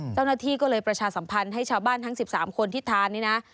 เจ้าหน้าที่ก็เลยประชาสัมพันธ์ให้ชาวบ้านทั้ง๑๓คนที่ทานนี่นะ